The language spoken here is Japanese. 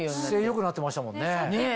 姿勢良くなってましたもんね。